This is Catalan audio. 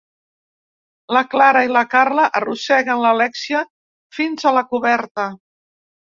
La Clara i la Carla arrosseguen l'Alèxia fins a la coberta.